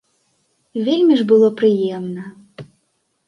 Вельмі ж было прыемна.